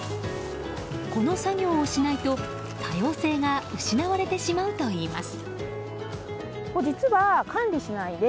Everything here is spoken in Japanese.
この作業をしないと、多様性が失われてしまうといいます。